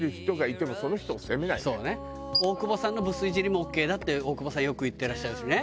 大久保さんのブスイジりもオーケーだって大久保さんよく言ってらっしゃるしね。